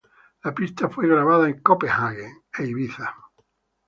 La pista fue grabada en Copenhague e Ibiza.